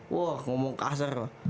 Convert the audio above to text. wah ngomong kasar lah